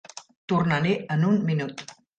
Tornaré en un minut.